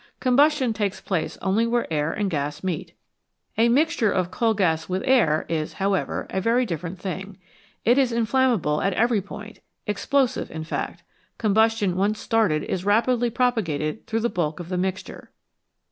Combustion takes place only where air and gas meet. A mixture of coal gas with air is, how ever, a very different thing ; it is inflammable at every point explosive, in fact : combustion once started is rapidly propagated through the bulk of the mixture.